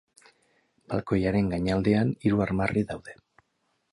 Balkoiaren gainaldean hiru armarri daude.